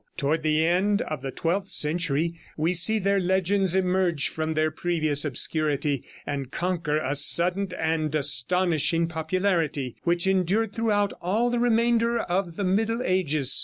Toward the end of the twelfth century we see their legends emerge from their previous obscurity and conquer a sudden and astonishing popularity, which endured throughout all the remainder of the Middle Ages.